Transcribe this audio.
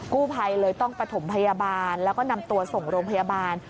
กู้ภัยเลยต้องประถมพยาบาลแล้วก็นำตัวส่งโรงพยาบาล